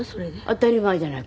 当たり前じゃない。